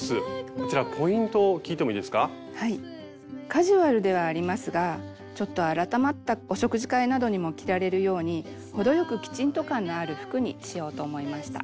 カジュアルではありますがちょっと改まったお食事会などにも着られるように程よくきちんと感のある服にしようと思いました。